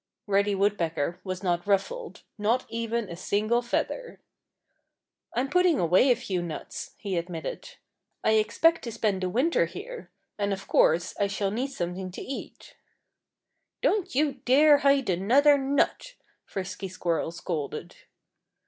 Reddy Woodpecker was not ruffled—not even a single feather. "I'm putting away a few nuts," he admitted. "I expect to spend the winter here. And of course I shall need something to eat." "Don't you dare hide another nut!" Frisky Squirrel scolded.